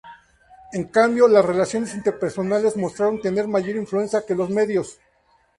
En cambio, las relaciones interpersonales mostraron tener mayor influencia que los medios.